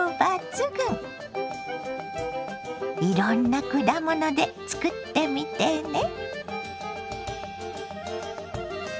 いろんな果物で作ってみてね。